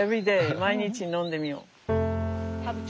毎日飲んでみよう。